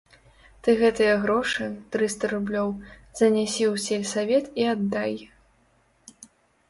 Ты гэтыя грошы, трыста рублёў, занясі ў сельсавет і аддай.